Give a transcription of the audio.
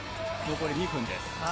残り２分です。